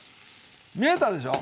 見えたでしょ？